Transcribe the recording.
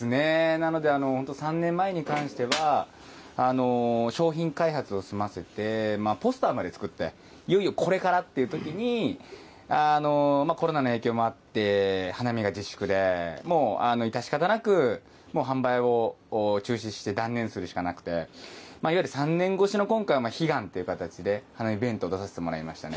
なので、本当、３年前に関しては、商品開発を済ませて、ポスターまで作って、いよいよこれからっていうときにコロナの影響もあって、花見が自粛で、もういたしかたなく販売を中止して、断念するしかなくて。いわゆる３年越しの今回、悲願という形で、花見弁当出させてもらいましたね。